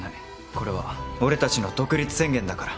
これは俺たちの独立宣言だから。